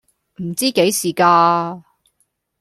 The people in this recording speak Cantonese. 唔知幾時㗎